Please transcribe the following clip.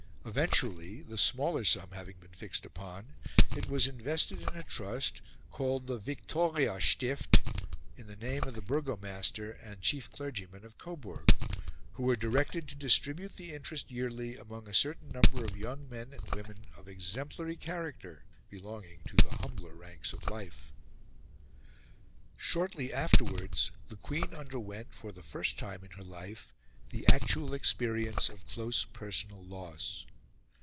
Eventually, the smaller sum having been fixed upon, it was invested in a trust, called the "Victoria Stift," in the name of the Burgomaster and chief clergyman of Coburg, who were directed to distribute the interest yearly among a certain number of young men and women of exemplary character belonging to the humbler ranks of life. Shortly afterwards the Queen underwent, for the first time in her life, the actual experience of close personal loss.